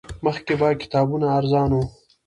مخکې به کتابونه ارزان وو